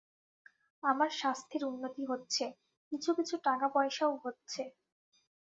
আমার স্বাস্থ্যের উন্নতি হচ্ছে, কিছু কিছু টাকাপয়সাও হচ্ছে।